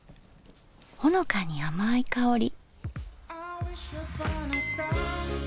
ほのかに甘い香り。